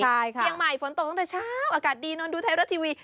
ใช่ค่ะเชียงใหม่ฝนตกตั้งแต่เช้าอากาศดีนอนดูไทยรัฐทีวี